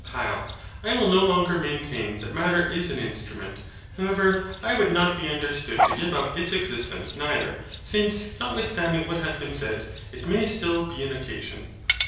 HYL. I will no longer maintain that Matter is an instrument. However, I would not be understood to give up its existence neither; since, notwithstanding what hath been said, it may still be an OCCASION.